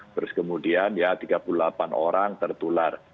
terus kemudian ya tiga puluh delapan orang tertular